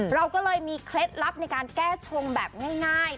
เราก็เลยมีเคล็ดลับในการแก้ชงแบบง่าย